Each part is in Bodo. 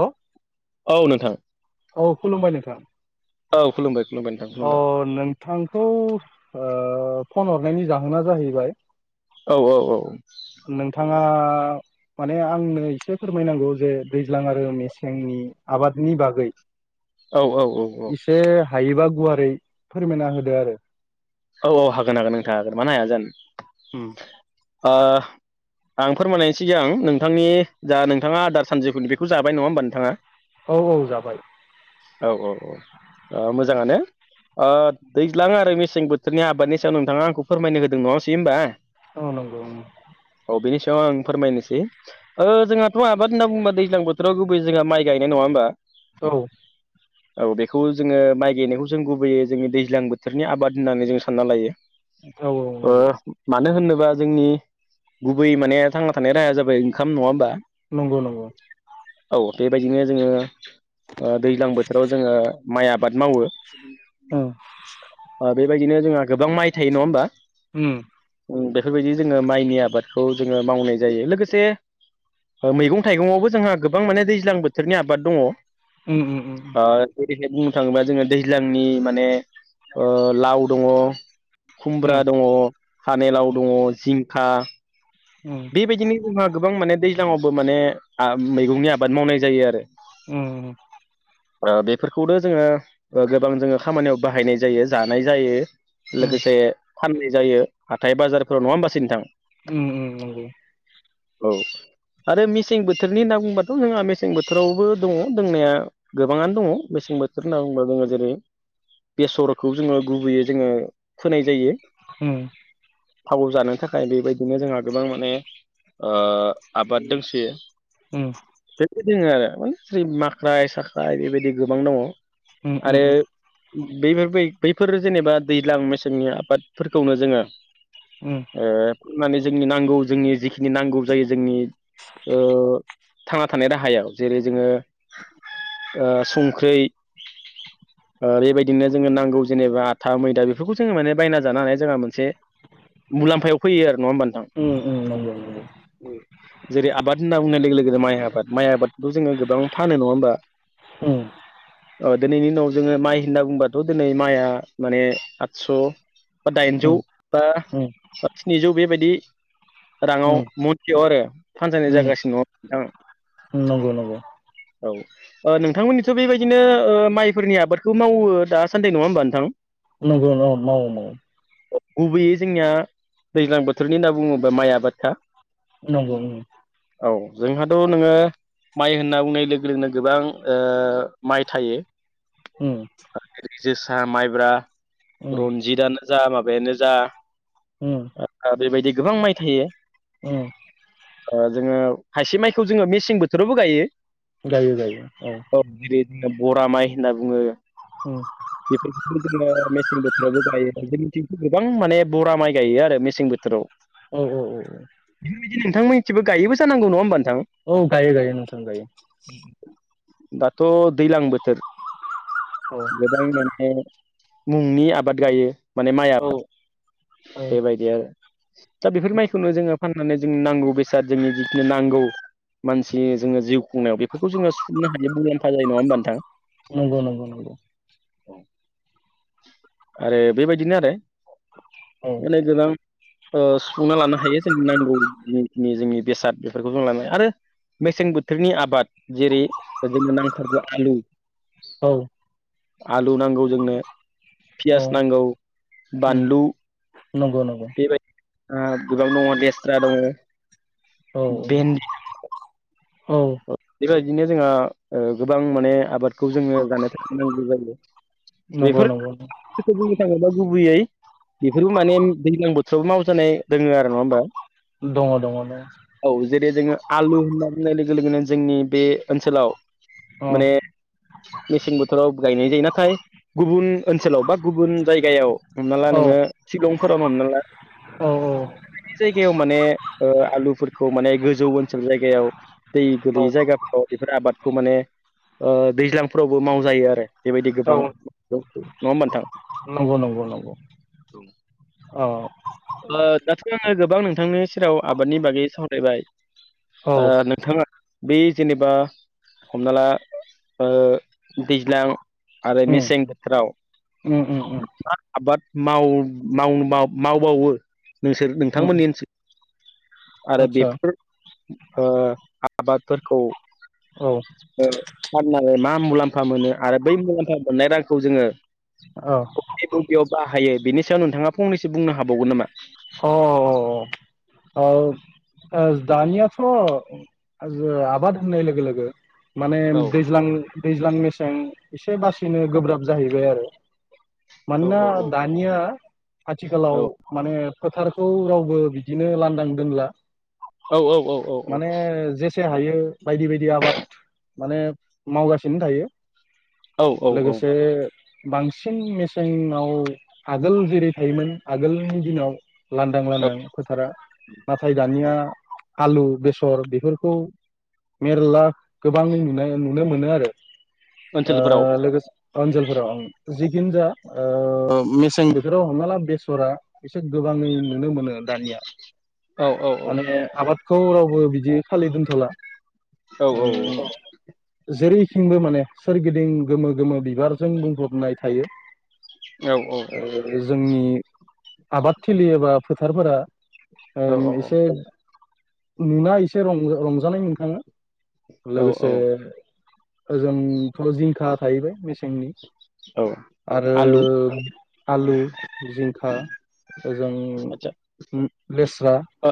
औ औ नोंथां। खुलुमबाय नोंथां औ खुलुमबाय खुलुमबाय नोंथां अ खुलुमबाय नोंथांखौ ओ फन हरनायनि जाहोना जाहैबाय औ औ औ नोंथाङा माने आंनो एसे फोरमायनांगौ जे दैज्लां आरो मेसेंनि आबादनि बागै औ औ औ [inaudible] एसे हायोबा गुवारै फोरमायना होदो आरो औ औ हागोन हागोन नोंथां हागोन मानो हाया उम जानो ओ [inaudible] आं फोरमायनायनि सिगांं नोंथांनि जा नोंथाङा आदार सानजौफुनि बेखौ जाबाय नङा होमबा नोंथाङा? औ औ जाबाय औ औ औ ओ मोजाङानो ओ दैज्लां आरो मेसें बोथोर थोरनि आादनि सायाव नोंथाङा आंखौ फोरमाय होदों नङासै होमबा? औ नंगौ औ औ बेनि सायाव आं फोरमायनोसै ओ जोंहाथ आबाद होनना बुङोबा दैज्लां बोथोराव गुबै जोंहा माइ गायनाय नङा होमबा? औ औ बेखौ जोङो माइ गायनायखौ जों गुबैयै जोंनि दैज्लां बोथोरनि आबाद होननानै जों सानना लायो। औ ओ नंगौ मानो होननो बा जोंनि गुबै माने थांना थानाय राहाया जाबाय ओंखाम नङा होमबा नंगौ नंगौ औ बेबायदिनो जोङो ओ दैज्लां बोथोराव जोङो माइ आबाद मावो ओ ओ बेबायदिनो जोंहा गोबां माइ थायो नङा होमबा ओम ओम बेफोरबायदि जोङो माइनि आबादखौ जोङो मावनाय जायो लोगोसे मैगं थाइगङावबो जोंहा गोबां माने दैज्लां बोथोरनि आबाद दङ ओ उम उम ओरैहाय बुंनो थाङोबा जोङो दैज्लांनि माने ओ लाव दङ खुमब्रा उम दङ फाने लाव उम दङ जिं खा उम बेबायदिनो जोंहा गोबां माने दै ज्लाङावबो माने मैगंनि आबाद मावनाय जायो आरो ओम ओ बेफोरखौनो जोङो ओ गोबां जोङो खामानियाव बाहायनाय जायो जानाय जायो उम लोगोसे फाननाय जायो हाथाय बाजारफोराव नङा होनबासै नोंथां ओम ओम नंगौ औ आरो मेसें बोथोरनि होनना बुंबाथ जोंहा मेसें बोथोरावबो दङ दोंनाया गोबाङानो दङ मेसें मेसें बोथोर होनना बुङोब्ला जोङो जेरै बेसरखौ जोङो गुबैयै जोङो फोनाय जायो ओम थाव जानो थाखाय बेबायदिनो जोंहा गोबां माने ओ आबाद दोंसोयो ओम दोङो आरो माने जेरै माख्राय साख्राय बेबायदि गोबां दङ ओम ओम ओम बेफोरबाय बैफोरो जेनेबा दैज्लां मेसेंनि आबादफोरखौनो जोङो उम ओ फोनानै जोंनि नांगौ जोंनि जिखिनि नांगौ जायो जोंनि ओ थांना थानाय राहायाव जेरै जोङो ओ संख्रै [inaudible] ओरैबायदिनो जोङो नांगौ जेनेबा आथा मैदा बेफोरखौ जोङो माने बायना जानो हानाय जोंहा मोनसे मुलाम्फायाव फैयो आरो नङा होमबा ओम ओम नंगौ नंगौ जेरै आबाद होनना बुंनाय लोगो लोगो माइ आबाद माइ आबादखौ जोङो गोबां फानो नङा होमबा उम ओ दिनैनि उनाव जोङो माइ होनना बुंबाथ' दिनै माइआ माने आदस' बा दाइनजौ उम बा उम स्निजौ बेबायदि राङाव उम मनसेयाव आरो फानजायनाय उम जागासिनो दङ उम नोंथां नंगौ नामा ओ नोंथांमोननिथ' बेबायदिनो माइफोरनि आबादखौ मावो दासान्दै नङा होमबा नोंथां नंगौ औ मावो मावो गुबैयै जोंनिया दैज्लां बोथोरनि होनना बुङोब्ला माइ आबादा नंगौ उम औ जोंहाथ' नोङो माइ होनना बुंनाय लोगो लोगोनो गोबां ओ माइ थायो। उम जेरै जोसा माइब्रा उम रनजितआनो जा माबायानो जा उम ओमफाय बेबायदि गोबां माइ थायो। उम जोङो हाइसे माइखौ जोङो मेसें बोथोरावबो गायो। गायो गायो औ बरा माइ होनना बुङो उम बेफोरखौनो जोङो मेसें बोथो थोरावबो गायो जोंनिथि गोबां माने बरा माइ गायो आरो मेसें बोथोराव औ औ औ नोंथांमोननिथिबो गायोबो जानांग नङा होमबा नों औ गायो गायो नोंथां गायो दाथ' दैज्लां बोथोर औ गोबां माने मुंनि आबाद गायो माने माइ औ आबाद औ बेबायदि आरो दा बेफोर माइखौनो जोङो फाननानै जोंनि नांगौ बेसाद जोंनि जिखिनि नांगौ मानसि जोङो जिउ बुंनायाव बेफोरखौ जोङो सुफुंनो हायो मुलाम्फा जायो नङा होमबा नोंथां नंगौ नंगौ नंगौ आरो बेबायदिनो आरो मा औ होनो गोबां ओ सुफुंना लानो हायो जोंनि नांगौ जिखिनि जोंनि बेसाद बेफोरखौ जों लानो आरो मेसें बोथोरनि आबाद जेरै जोंनो नांथारगौ आलु औ आलु नांगौ जोंनो औ पियास नांगौ उम बानलु नंगौ नंगौ उम गोबां दङ लेस्रा दङ औ भेन्डि दोङो औ बिदिनो जोंहा गोबां माने आबादखौ जोङो जानो थाखाय नांगौ जायो। नंगौ बेफोर नंगौ [inaudible] बुंनो थाङोब्ला गुबैयै बेफोरबो माने दैज्लां बोथोराव मावजानाय दोङो आरो नङा होमबा दङ दङ नो औ जेरै जोङो आलु होनना बुंनाय लोगो लोगोनो जोंनि बे ओनसोलाव अ माने मेसें बोथोराव गायनाय जायो नाथाय गुबुन ओनसोलाव बा गुबुन जायगायाव हमना ला औ नोङो सिलंफोरावनो हमना ला औ औ बेफोरबायदि जायगायाव माने ओ आलुफोरखौ माने गोजौ ओनसोल जायगायाव दै औ गोयै जायगाफ्राव बेफोर आबादखौ माने ओ दैज्लांफोरावबो मावजायो आरो बेबायदि गोबां औ नङा होमबा नोंथां नंगौ नंगौ नंगौ औ ओ दाथ' आङो गोबां नोंथांनि सेराव आबादनि बागै सावरायबाय औ ओ नों बे जेनेबा हमना ला ओ दैज्लां आरो उम मेसें बोथोराव उम उम उम मा आबाद माव मावनो माव मावबावो नोंसोर उम नोंथांमोननि ओनसोल आरो आतसा बेफोर ओ आबादफोरखौ औ ओ फाननानै मा मुलाम्फा मोनो आरो बै मुलाम्फा मोननाय रांखौ जोङो औ बबे बबेयाव बाहायो बेनि सायाव नोंथाङा फंनैसो बुंनो हाबावगोन नामा? अ औ औ ओ ओ दानियाथ' जो आबाद होननाय लोगो लोगो माने औ दैज्लां दैज्लां मेसें एसे बासिनो गोब्राब जाहैबाय आरो। औ मानोना औ औ दानिया आथिखालाव औ माने फोथारखौ रावबो बिदिनो लान्दां दोनला। औ औ औ औ औ। एसे हायो बायदि बायदि आबाद माने मावगासिनो थायो। औ औ औ लोगोसे बांसिन मेसेंआव आगोल जेरै थायोमोन आगोलनि दिनाव लान्दां लान्दां फोथारा नाथाय दानिया आलु, बेसर बेफोरखौ मेरला गोबां नुनाय नुनो मोनो आरो। ओ ओनसोलफोराव लोगोसे ओनसोलफोराव जि जिखिन जा ओ मेसें बोथोराव हमना ला बेसरा एसे गोबाङै नुनो मोनो दानिया औ औ माने आबादखौ रावबो बिदि खालि दोनथ'ला औ उम जेरै थिंबो माने सोरगिदिं गोमो गोमो बिबारजों बुंफबनाय थायो। ओ जोंनि आबादथिलि एबा फोथारफोरा औ ओम एसे नुना एसे रं-रंजानाय मोनखाङो। लोगोसे औ ओजोंथ' जिंखा थाहैबाय मेसें नि औ आरो आलु आलु, जिंखा। ओजों आतसा लेस्रा ओ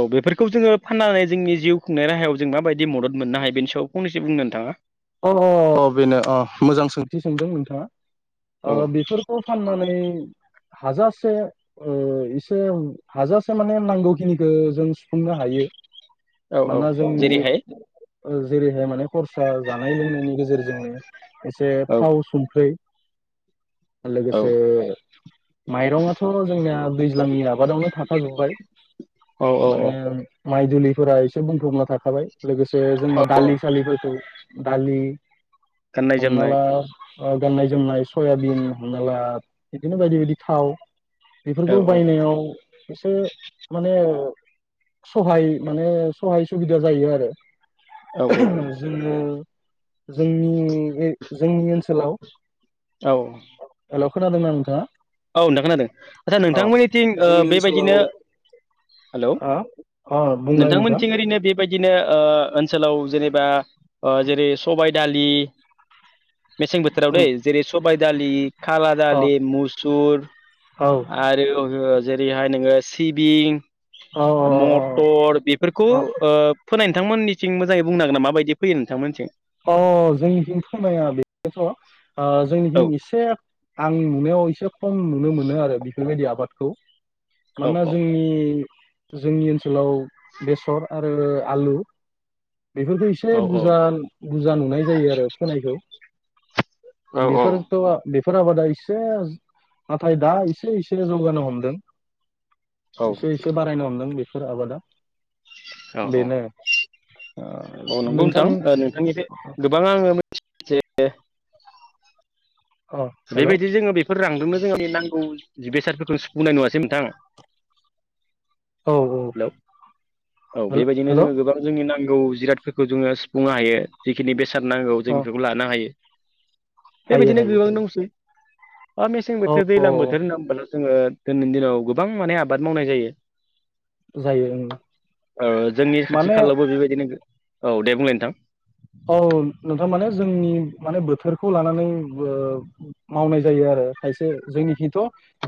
औ बेफोरखौ जोङो फाननानै जोंनि जिउ खुंनाय राहायाव जों माबायदि मदद मोननो हायो बेनि सायाव फंनैसो बुंनो नोंथाङा? अ अ अ बेनो अ मोजां सोंथि सोंदों नोंथाङा। औ ओ बेफोरखौ फाननानै हाजासे ओ एसे हाजासे माने नांगौखिनिखौ जों सुफुंनो हायो औ औ मानोना जोंनि जेरैहाय ओ जेरैहाय माने खरसा जानाय लोंनायनि गेजेरजोंनो एसे औ थाव संख्रै औ लोगोसे माइरंआथ' जोंनिया दैज्लांनि आबादावनो थाफाजोबबाय। औ औ औ माने माइ दुलिफोरा एसे बुंफबना थाखाबाय लोगोसे औ जोङो दालि सालिफोरखौ दालि गाननाय जोमनाय हमनाला ओ गाननाय जोमनाय सयाबिन हमना ला बिदिनो बायदि बायदि थाव औ बेफोरखौ बायनायाव एसे माने सहाय माने सहाय सुबिदा जायो आरो। औ जोङो जोंनि जोंनि ओनसोलाव औ हेल' खोनादोंना नोंथांङा? औ नोंथां खोनादों आदसा नोंथांमोननिथिं ओ जोंनि ओनसोलाव बेबायदिनो हेलौ आ अ बुंलाय नोंथां नोंथांमोनथिं ओरैनो बे बायदिनो ओ ओनसोलाव जेनेबा ओ जेरै सबाय दालि मेसें बोथोराव दैै जेरै सबाय दालि खाला औ दालि मुस सुर औ आरो [unintelligible] जेरैहाय नोङो सिबिं औ मटर बेफोरखौ औ ओ फोनाय नोंथांमोननि थिं मोजाङै बुंनांगोन नामा माबायदि फैयो नोंथांमोनथि अ जोंनिथिं फोनाया बेनोथ' ओ औ जोंनिथिं इसे आं नुनायाव एसोब खम नुनो मोनो आरो बेफोरबायदि आबादखौ औ मानोना जोंनि जोंनि ओनसोलाव बेसर आरो आलु बेफोरखौ एसे औ बुरजा बुरजा नुनाय जायो आरो फोनायखौ औ बेफोरथ'आ बेफो फोराबादा इसे नाथाय दा एसे एसे जौगानो हमदों औ एसे एसे बारायनो हमदों बेफोर आबादा औ बेनो ओ औ नंगौ नोंथां ओ नोंथांनिफ्राय गोबां आङो [unintelligible] अ हेल' बेबायदि जोङो बेफोर रांदोंनो जोंनि नांगौ जिबेसारफोरखौ सु बुंनाय नुवासै नोंथां औ हेलौ औ बेबायदिनो हेल' जोङो गोबां जोंनि नां गौ जिरादफोरखौ जोङो सुफुंनो हायो जिखिनि बेसाद नांगौ जों अ बेफोरखौ लानो हायो हायो बेबायदिनो हायो गोबां हायो दंसै बा मेसें बोथोर औ दैज्लां औ बोथोर होनना होनबाल' जोङो दिनैनि दिनाव गोबां माने आबाद मावनाय जायो जायो ओं ओ जोंनि खाथि माने खालायावबो बेबायदिनो गो औ दे बुंलाय नोंथां औ नोंथां माने जोंनि माने बोथोरखौ लानानैबो मावनाय जायो आर रो खायसे जोंनिखिथ'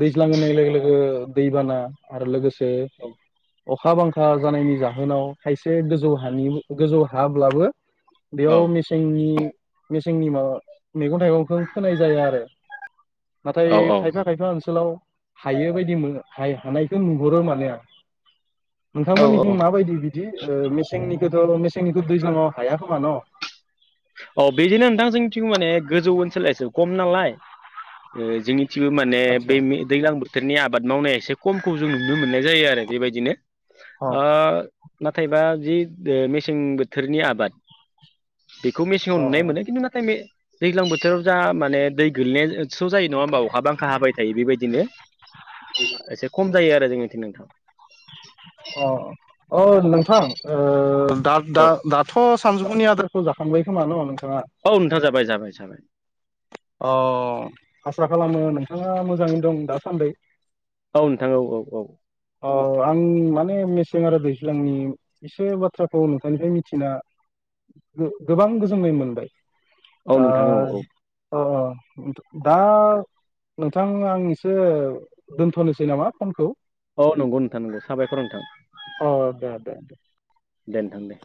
दैज्लां होननाय लोगो लोगो दैबाना आरो लोगोसे औ अखा बांखा जानायनि जाहोनाव खायसे गोजौ हानि गोजौ हाब्लाबो औ बेयाव मेसेंनि मेसेंनि माबा मैगं थाइगंखौ फोनाय जाया आरो नाथाय औ खायफा खायफा ओनसोलाव हायो बायदि मोनो हाय हानायखौ नुहरो माने आं औ नोंथांमोननिथिं औ माबायदि बिदि ओ मेसेंनिखौथ' मेसेंनिखौ दैज्लाङाव हाया खोमा न' औ बेदिनो नोंथां जोंथिं माने गोजौ ओनसोल एसे खम नालाय ओ जोंनि थिबो माने बे आदसा मे दैलां बोथोरनि आबाद मावनाया एसे खमखौ जों नुनो मोननाय जायो आरो बेबायदिनो अ ओ नाथायबा जि मेसें बोथोरनि आबाद बेखौ मेसेङाव अ नुनाय मोनो खिन्थु नाथाय मे दैग्लां बोथोराव जा माने दै गोलैनाय स' जायो नङा होमबा अखा बांखा हाबाय थायो बेबायदिनो अ एसे अ खम जायो आरो जोंनिथिं नोंथां अ नोंथां ओ दा दा औ दाथ' सानजुफुंनि आदारखौ जाखांबाय खोमा न नोंथां औ नोंथां जाबाय जाबाय जाबाय अ आसा खालामो नोंथाङा मोजाङैनो दं दासान्दै औ नोंथां औ औ औ औ आं माने मेसें आरो दैज्लांनि एसे बाथ्राखौ नोंथांनिफ्राय मिथिना गो-गोबां गोजोननाय मोनबाय औ नोंथां औ औ अ अ दा नोंथां आं एसे दोनथ'नोसै नामा फनखौ औ नंगौ नोंथां नंगौ साबायखर नोंथां अ दे दे दे नोंथां दे